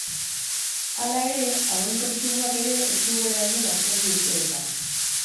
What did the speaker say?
Hala ere, hauen kontsumoak ere ez du gora egin azken bi urteetan.